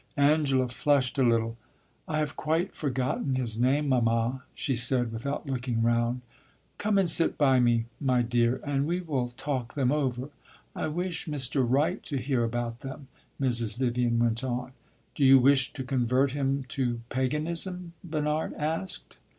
'" Angela flushed a little. "I have quite forgotten his name, mamma," she said, without looking round. "Come and sit by me, my dear, and we will talk them over. I wish Mr. Wright to hear about them," Mrs. Vivian went on. "Do you wish to convert him to paganism?" Bernard asked.